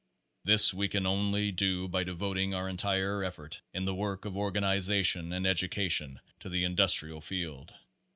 This we can only do by devoting our entire effort in the work of organization and education to the indus trial field.